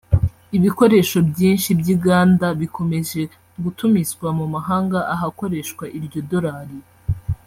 ibikoresho byinshi by’inganda bikomeje gutumizwa mu mahanga ahakoreshwa iryo dolari